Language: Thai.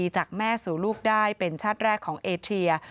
จากแม่สู่ลูกได้เป็นชาติแรกของเอเทีย